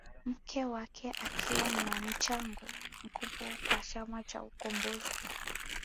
Mke wake akiwa na mchango mkubwa kwa chama cha ukombozi